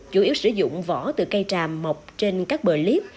chủ yếu sử dụng vỏ từ cây tràm mọc trên các bờ liếp